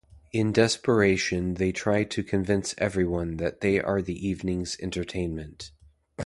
In desperation they try to convince everyone that they are the evening's entertainment.